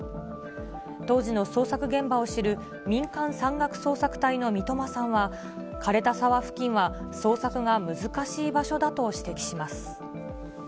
当時の捜索現場を知る民間山岳捜索隊の三笘さんは、枯れた沢付近は、捜索が難しい場所だと指摘します。